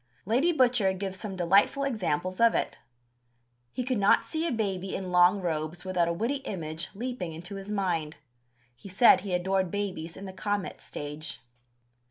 Lady Butcher gives some delightful examples of it. He could not see a baby in long robes without a witty image leaping into his mind. He said he adored babies "in the comet stage."